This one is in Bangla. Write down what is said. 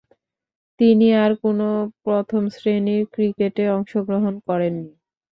তিনি আর কোন প্রথম-শ্রেণীর ক্রিকেটে অংশগ্রহণ করেননি।